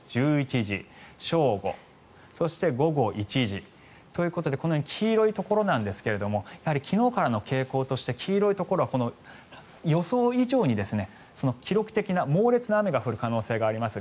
１１時、正午、そして午後１時ということでこのように黄色いところなんですが昨日からの傾向として黄色いところは予想以上に記録的な、猛烈な雨が降る可能性があります。